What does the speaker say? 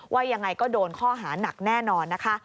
ว่ายังไงก็โดนข้อหานักแน่นอนนะคะ